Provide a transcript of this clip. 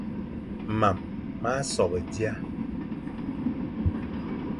Mam ma sobe dia,